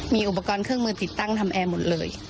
มีอุปกรณ์เครื่องมือติดตั้งทำแอร์หมดเลย